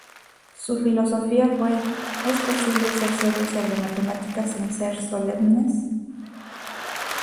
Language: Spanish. Su filosofía fue "es posible ser serios sobre matemáticas, sin ser solemnes".